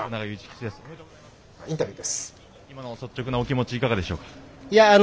今の率直なお気持ちいかがでしょうか？